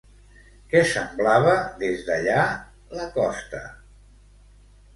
Què semblava des d'allà la costa?